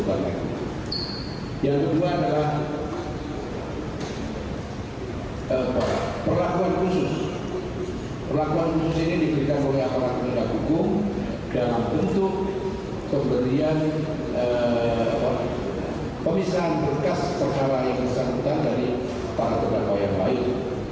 perlakuan khusus ini diberikan oleh orang orang yang tidak hukum dalam bentuk pemberian pemisahan bekas peralatan yang disambungkan dari para terdakwa yang lain